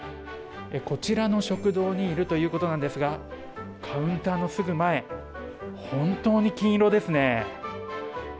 こちらの食堂にいるということなんですが、カウンターのすぐ前、本当に金色ですね。